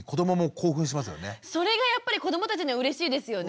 それがやっぱり子どもたちにはうれしいですよね。